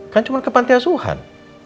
kan cuma ke pantiasuhan